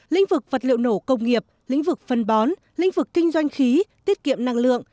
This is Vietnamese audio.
lĩnh vực vật liệu nổ công nghiệp lĩnh vực phân bón lĩnh vực kinh doanh khí tiết kiệm năng lượng